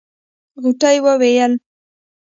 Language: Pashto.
غوټۍ وويل.